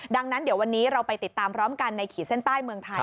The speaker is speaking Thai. ดังนั้นเดี๋ยววันนี้เราไปติดตามพร้อมกันในขีดเส้นใต้เมืองไทย